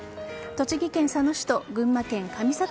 栃木県佐野市と群馬県上里